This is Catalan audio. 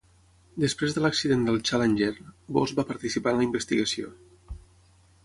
Després de l'accident del "Challenger", Voss va participar en la investigació.